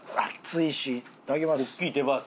いただきます。